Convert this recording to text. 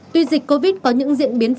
tuy dịch covid có những diện biến pháp